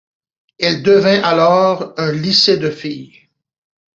Elle devint alors un lycée de filles.